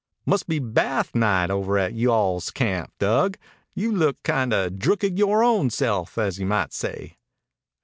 "Must be bath night over at you all's camp, Dug. You look kinda drookid yore own self, as you might say."